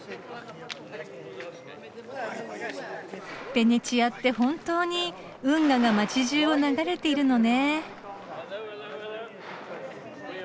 ベネチアって本当に運河が街じゅうを流れているのね。